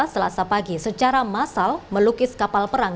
selasa pagi secara massal melukis kapal perang